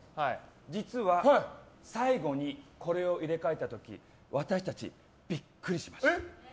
実は、最後にこれを入れ替えた時私たち、ビックリしました。